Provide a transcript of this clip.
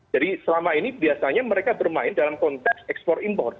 jadi selama ini biasanya mereka bermain dalam konteks export import